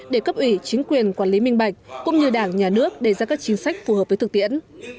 để cấp ủy chính quyền quản lý minh bạch cũng như đảng nhà nước đề ra các chính sách phù hợp với thực tiễn